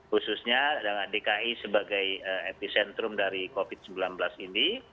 khususnya dki sebagai epicentrum dari covid sembilan belas ini